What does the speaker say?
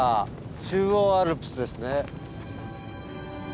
中央アルプスですね。